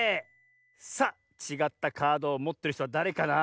さあちがったカードをもってるひとはだれかな？